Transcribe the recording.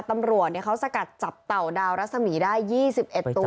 ตำรวจเนี่ยเค้าสกัดจับเต่าดาวรัษมีได้ยี่สิบเอ็ดตัว